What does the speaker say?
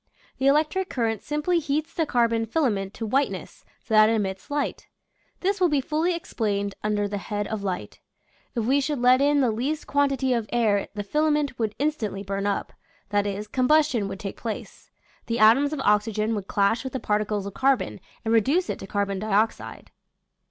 The electric current simply heats the carbon filament to whiteness so that it emits light. This will be fully explained under the head of Light. If we should let in (~~|, Original from :{<~ UNIVERSITY OF WISCONSIN Generation ol 1>eat. 139 the least quantity of air the filament would instantly burn up — that is, combustion would take place. The atoms of oxygen would clash with the particles of carbon and reduce it to carbon dioxide.